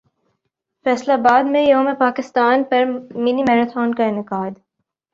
فیصل ابادمیںیوم پاکستان پر mini marathon کا انعقاد